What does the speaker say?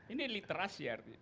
ini literasi artinya